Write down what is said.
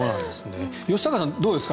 吉高さん、どうですか？